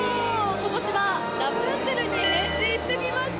今年はラプンツェルに変身してみました。